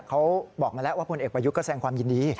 เขาบอกมาแล้วว่าพลเอกประยุทธ์ก็แสงความยินดี